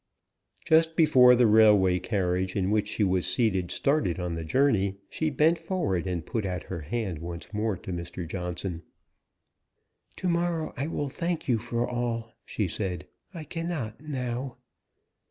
Just before the railway carriage in which she was seated started on the journey, she bent forward, and put out her hand once more to Mr. Johnson. "To morrow I will thank you for all," she said. "I cannot now."